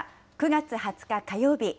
９月２０日火曜日